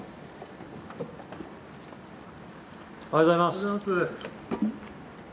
おはようございます。